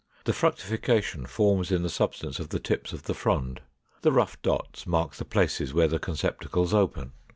The fructification forms in the substance of the tips of the frond: the rough dots mark the places where the conceptacles open.